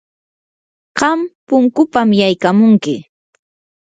qam punkupam yaykamunki.